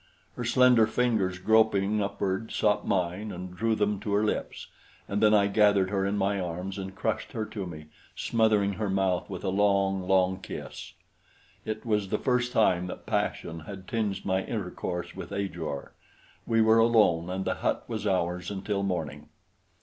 Her slender fingers groping upward sought mine and drew them to her lips, and then I gathered her in my arms and crushed her to me, smothering her mouth with a long, long kiss. It was the first time that passion had tinged my intercourse with Ajor. We were alone, and the hut was ours until morning.